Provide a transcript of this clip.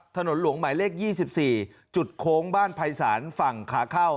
ถนนหลวงหมายเลข๒๔จุดโค้งบ้านภัยศาลฝั่งขาเข้า